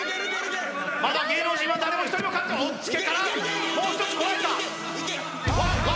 まだ芸能人は誰も１人も勝っておっつけからもう一つ怖いか？